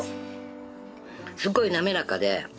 すごい滑らかで。